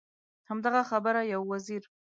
همدغه خبره یو وزیر.